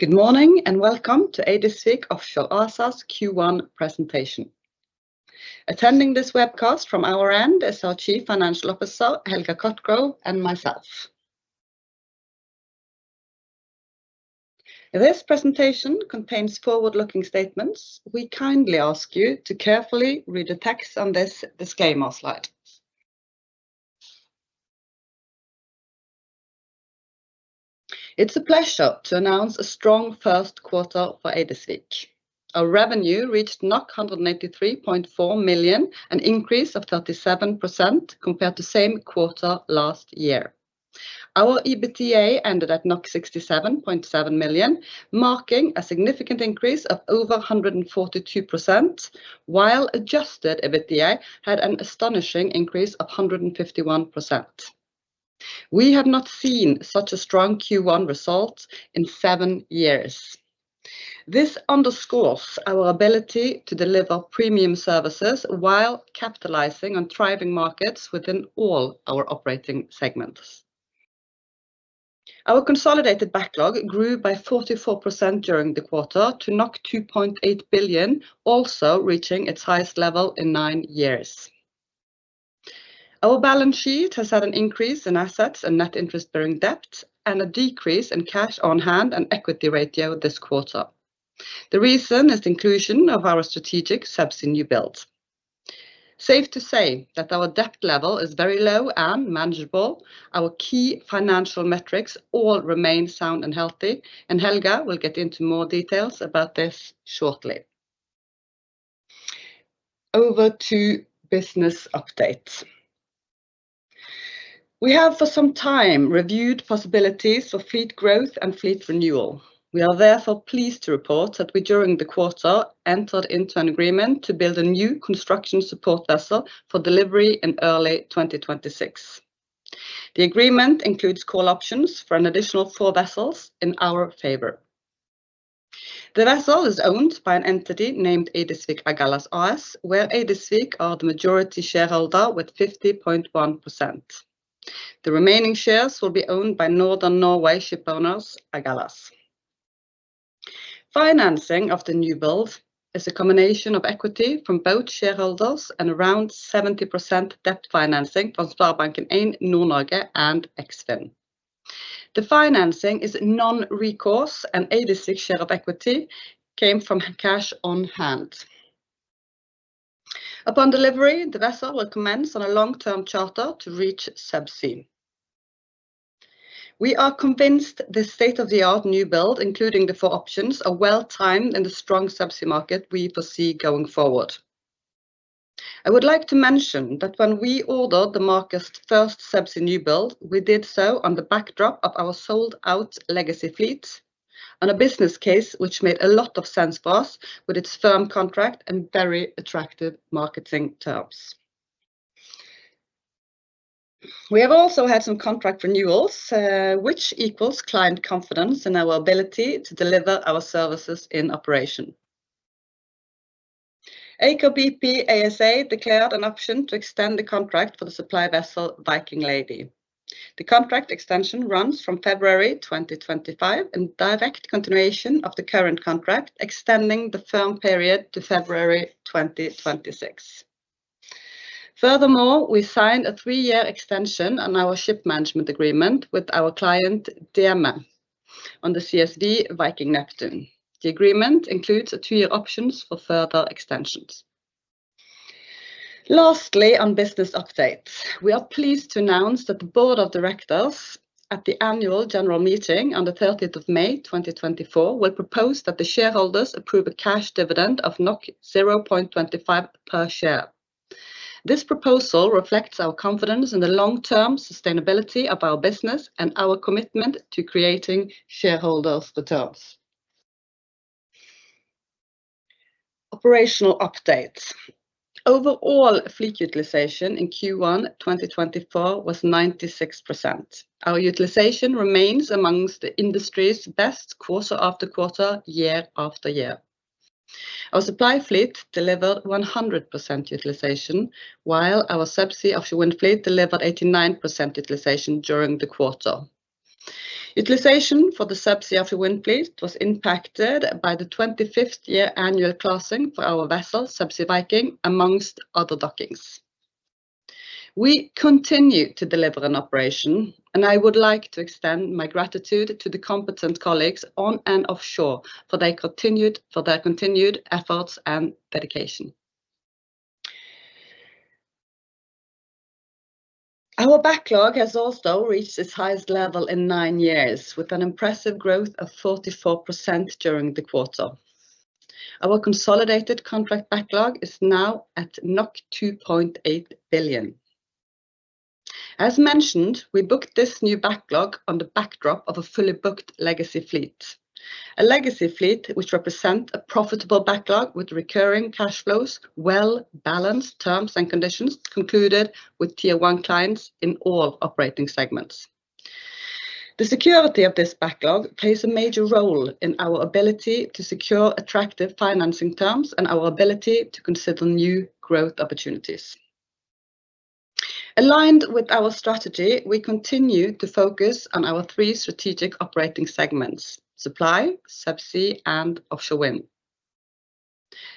Good morning, and welcome to Eidesvik Offshore ASA's Q1 presentation. Attending this webcast from our end is our Chief Financial Officer, Helga Cotgrove, and myself. This presentation contains forward-looking statements. We kindly ask you to carefully read the text on this disclaimer slide. It's a pleasure to announce a strong first quarter for Eidesvik. Our revenue reached 183.4 million, an increase of 37% compared to same quarter last year. Our EBITDA ended at 67.7 million, marking a significant increase of over 142%, while adjusted EBITDA had an astonishing increase of 151%. We have not seen such a strong Q1 result in 7 years. This underscores our ability to deliver premium services while capitalizing on thriving markets within all our operating segments. Our consolidated backlog grew by 44% during the quarter to 2.8 billion, also reaching its highest level in 9 years. Our balance sheet has had an increase in assets and net interest bearing debt, and a decrease in cash on hand and equity ratio this quarter. The reason is the inclusion of our strategic subsea new build. Safe to say that our debt level is very low and manageable. Our key financial metrics all remain sound and healthy, and Helga will get into more details about this shortly. Over to business updates. We have for some time reviewed possibilities for fleet growth and fleet renewal. We are therefore pleased to report that we, during the quarter, entered into an agreement to build a new construction support vessel for delivery in early 2026. The agreement includes call options for an additional four vessels in our favor. The vessel is owned by an entity named Eidesvik Agalas AS, where Eidesvik are the majority shareholder with 50.1%. The remaining shares will be owned by Northern Norway shipowners, Agalas. Financing of the new build is a combination of equity from both shareholders and around 70% debt financing from SpareBank 1 Nord-Norge and Eksfin. The financing is non-recourse, and Eidesvik share of equity came from cash on hand. Upon delivery, the vessel will commence on a long-term charter to Reach Subsea. We are convinced this state-of-the-art new build, including the 4 options, are well-timed in the strong subsea market we foresee going forward. I would like to mention that when we ordered the market's first subsea new build, we did so on the backdrop of our sold-out legacy fleet on a business case, which made a lot of sense for us with its firm contract and very attractive marketing terms. We have also had some contract renewals, which equals client confidence in our ability to deliver our services in operation. Aker BP ASA declared an option to extend the contract for the supply vessel, Viking Lady. The contract extension runs from February 2025, in direct continuation of the current contract, extending the firm period to February 2026. Furthermore, we signed a three-year extension on our ship management agreement with our client, DEME, on the CSV Viking Neptune. The agreement includes a two-year options for further extensions. Lastly, on business updates, we are pleased to announce that the board of directors at the annual general meeting on the thirteenth of May 2024, will propose that the shareholders approve a cash dividend of 0.25 per share. This proposal reflects our confidence in the long-term sustainability of our business and our commitment to creating shareholders returns. Operational updates. Overall, fleet utilization in Q1 2024 was 96%. Our utilization remains among the industry's best quarter after quarter, year after year. Our supply fleet delivered 100% utilization, while our subsea offshore wind fleet delivered 89% utilization during the quarter. Utilization for the subsea offshore wind fleet was impacted by the 25th-year annual classing for our vessel, Subsea Viking, among other dockings. We continue to deliver an operation, and I would like to extend my gratitude to the competent colleagues on and offshore for their continued efforts and dedication. Our backlog has also reached its highest level in nine years, with an impressive growth of 44% during the quarter. Our consolidated contract backlog is now at 2.8 billion. As mentioned, we booked this new backlog on the backdrop of a fully booked legacy fleet. A legacy fleet, which represent a profitable backlog with recurring cash flows, well-balanced terms and conditions, concluded with Tier 1 clients in all operating segments. The security of this backlog plays a major role in our ability to secure attractive financing terms and our ability to consider new growth opportunities. Aligned with our strategy, we continue to focus on our three strategic operating segments: supply, subsea, and offshore wind.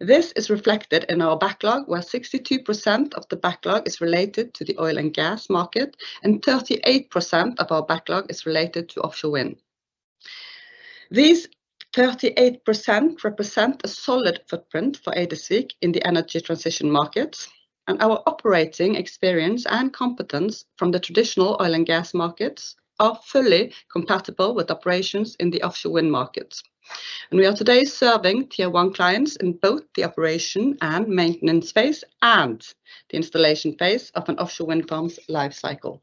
This is reflected in our backlog, where 62% of the backlog is related to the oil and gas market, and 38% of our backlog is related to offshore wind. These 38% represent a solid footprint for Eidesvik in the energy transition markets, and our operating experience and competence from the traditional oil and gas markets are fully compatible with operations in the offshore wind markets. We are today serving Tier 1 clients in both the operation and maintenance phase and the installation phase of an offshore wind farm's life cycle.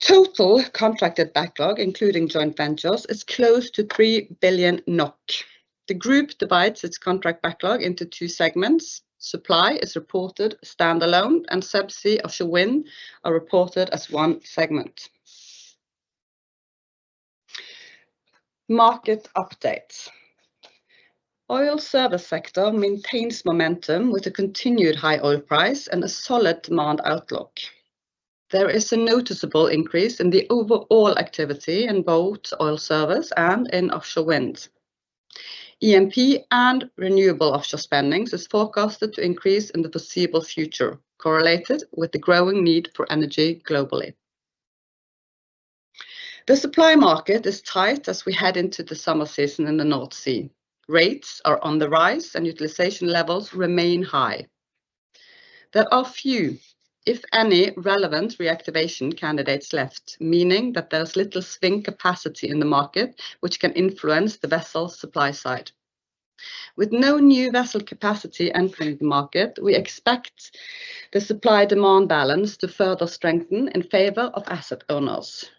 Total contracted backlog, including joint ventures, is close to 3 billion NOK. The group divides its contract backlog into two segments. Supply is reported standalone, and subsea offshore wind are reported as one segment. Market updates. Oil service sector maintains momentum with a continued high oil price and a solid demand outlook. There is a noticeable increase in the overall activity in both oil service and in offshore wind. E&P and renewable offshore spending is forecasted to increase in the foreseeable future, correlated with the growing need for energy globally. The supply market is tight as we head into the summer season in the North Sea. Rates are on the rise, and utilization levels remain high. There are few, if any, relevant reactivation candidates left, meaning that there's little swing capacity in the market, which can influence the vessel supply side. With no new vessel capacity entering the market, we expect the supply-demand balance to further strengthen in favor of asset owners.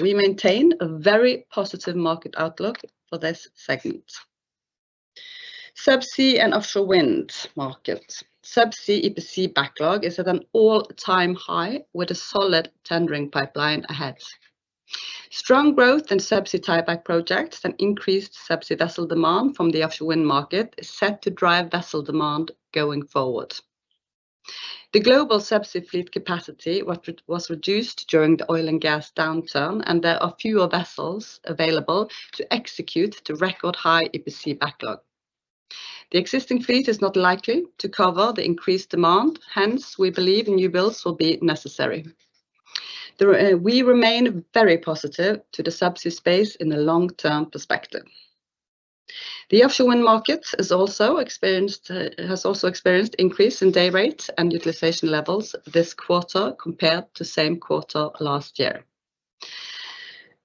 We maintain a very positive market outlook for this segment. Subsea and offshore wind market. Subsea EPC backlog is at an all-time high with a solid tendering pipeline ahead. Strong growth in subsea tieback projects and increased subsea vessel demand from the offshore wind market is set to drive vessel demand going forward. The global subsea fleet capacity was reduced during the oil and gas downturn, and there are fewer vessels available to execute the record high EPC backlog. The existing fleet is not likely to cover the increased demand. Hence, we believe new builds will be necessary. We remain very positive to the subsea space in the long-term perspective. The offshore wind market has also experienced increase in day rates and utilization levels this quarter compared to same quarter last year.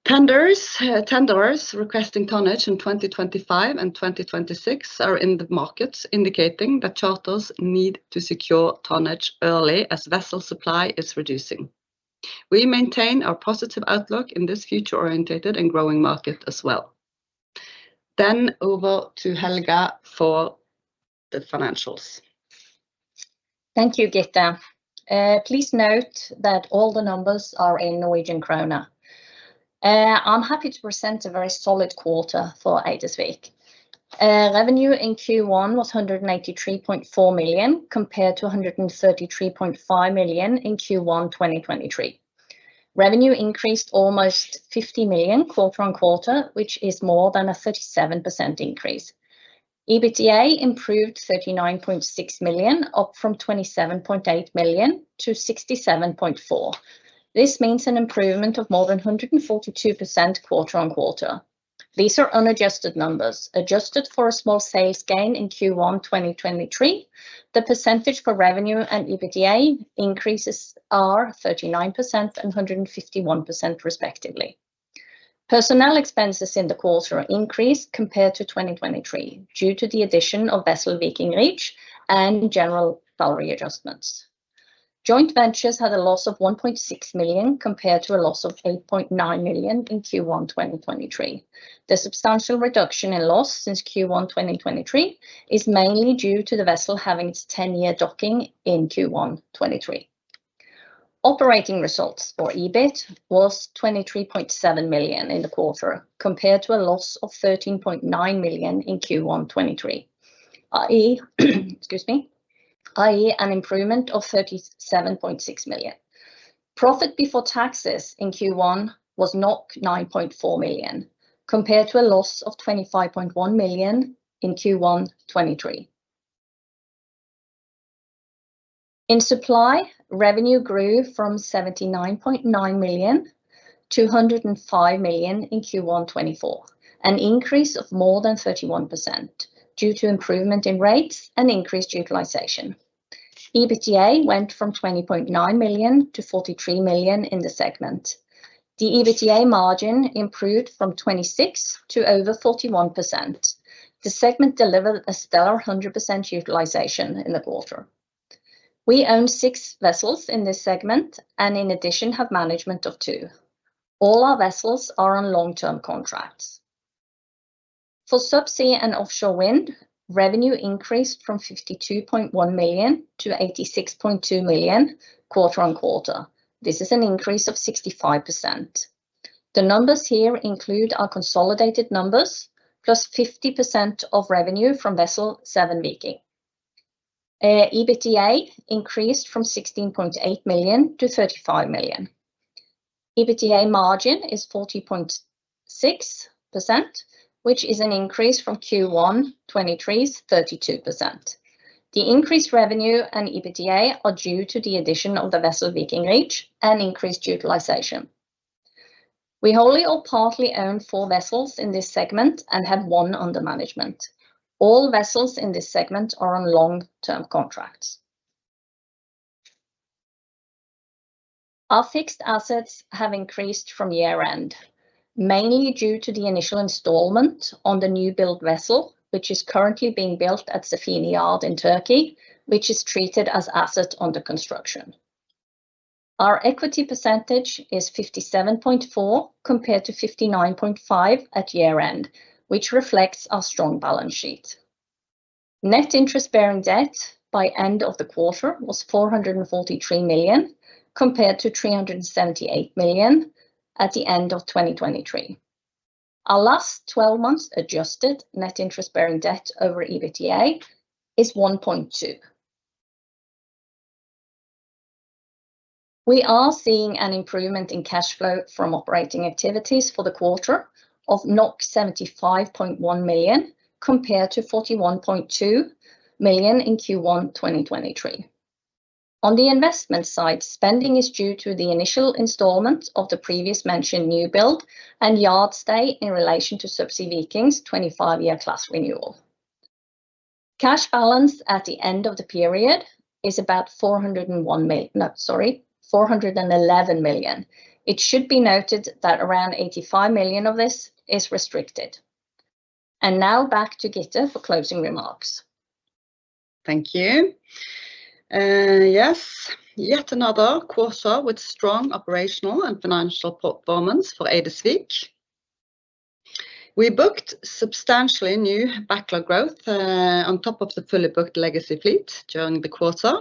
Tenders requesting tonnage in 2025 and 2026 are in the markets, indicating that charters need to secure tonnage early as vessel supply is reducing. We maintain our positive outlook in this future-oriented and growing market as well. Then over to Helga for the financials. Thank you, Gitte. Please note that all the numbers are in Norwegian kroner. I'm happy to present a very solid quarter for Eidesvik. Revenue in Q1 was 183.4 million, compared to 133.5 million in Q1 2023. Revenue increased almost 50 million quarter-on-quarter, which is more than a 37% increase. EBITDA improved 39.6 million, up from 27.8 million to 67.4 million. This means an improvement of more than 142% quarter-on-quarter. These are unadjusted numbers. Adjusted for a small sales gain in Q1 2023, the percentage for revenue and EBITDA increases are 39% and 151% respectively. Personnel expenses in the quarter increased compared to 2023, due to the addition of vessel Viking Reach and general salary adjustments. Joint ventures had a loss of 1.6 million, compared to a loss of 8.9 million in Q1 2023. The substantial reduction in loss since Q1 2023 is mainly due to the vessel having its ten-year docking in Q1 2023. Operating results for EBIT was 23.7 million in the quarter, compared to a loss of 13.9 million in Q1 2023, i.e., excuse me, i.e., an improvement of 37.6 million. Profit before taxes in Q1 was 9.4 million, compared to a loss of 25.1 million in Q1 2023. In supply, revenue grew from 79.9 million to 105 million in Q1 2024, an increase of more than 31% due to improvement in rates and increased utilization. EBITDA went from 20.9 million to 43 million in the segment. The EBITDA margin improved from 26% to over 41%. The segment delivered a stellar 100% utilization in the quarter. We own six vessels in this segment and in addition, have management of two. All our vessels are on long-term contracts. For subsea and offshore wind, revenue increased from 52.1 million to 86.2 million quarter-on-quarter. This is an increase of 65%. The numbers here include our consolidated numbers plus 50% of revenue from vessel Seven Viking. EBITDA increased from 16.8 million to 35 million. EBITDA margin is 40.6%, which is an increase from Q1 2023's 32%. The increased revenue and EBITDA are due to the addition of the vessel Viking Reach and increased utilization. We wholly or partly own four vessels in this segment and have one under management. All vessels in this segment are on long-term contracts. Our fixed assets have increased from year-end, mainly due to the initial installment on the new build vessel, which is currently being built at Sefine Shipyard in Turkey, which is treated as asset under construction. Our equity percentage is 57.4%, compared to 59.5% at year-end, which reflects our strong balance sheet. Net interest-bearing debt by end of the quarter was 443 million, compared to 378 million at the end of 2023. Our last twelve months adjusted net interest-bearing debt over EBITDA is 1.2. We are seeing an improvement in cash flow from operating activities for the quarter of 75.1 million, compared to 41.2 million in Q1 2023. On the investment side, spending is due to the initial installments of the previous mentioned new build and yard stay in relation to Subsea Viking's 25-year class renewal. Cash balance at the end of the period is about 411 million. It should be noted that around 85 million of this is restricted. Now back to Gitte for closing remarks. Thank you. Yes, yet another quarter with strong operational and financial performance for Eidesvik. We booked substantially new backlog growth on top of the fully booked legacy fleet during the quarter.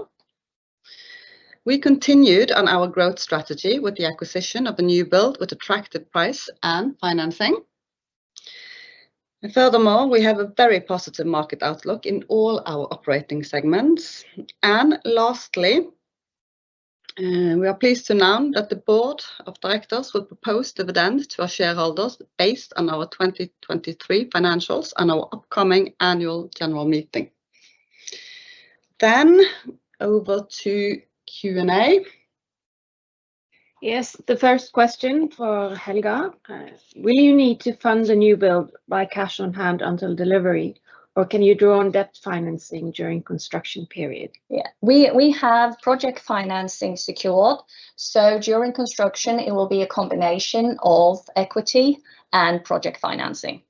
We continued on our growth strategy with the acquisition of the new build with attractive price and financing. And furthermore, we have a very positive market outlook in all our operating segments. And lastly, we are pleased to announce that the board of directors will propose dividend to our shareholders based on our 2023 financials and our upcoming annual general meeting. Then over to Q&A. Yes, the first question for Helga: Will you need to fund the new build by cash on hand until delivery, or can you draw on debt financing during construction period? Yeah. We have project financing secured, so during construction, it will be a combination of equity and project financing.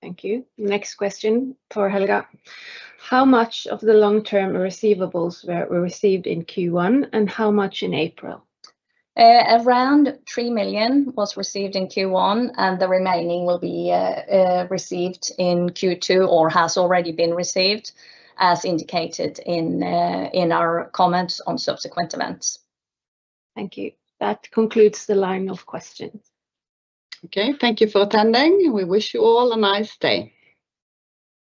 Thank you. Next question for Helga: How much of the long-term receivables were received in Q1, and how much in April? Around 3 million was received in Q1, and the remaining will be received in Q2 or has already been received, as indicated in our comments on subsequent events. Thank you. That concludes the line of questions. Okay, thank you for attending. We wish you all a nice day.